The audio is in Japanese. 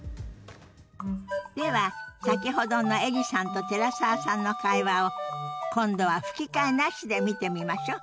では先ほどのエリさんと寺澤さんの会話を今度は吹き替えなしで見てみましょ。